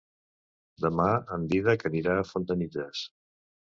Demà en Dídac anirà a Fontanilles.